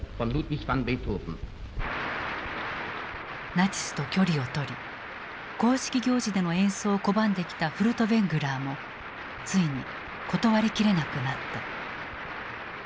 ナチスと距離をとり公式行事での演奏を拒んできたフルトヴェングラーもついに断り切れなくなった。